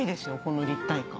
この立体感。